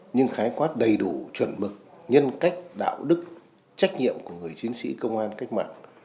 nhưng khái quát đầy đủ chuẩn mực nhân cách đạo đức trách nhiệm của người chiến sĩ công an cách mạng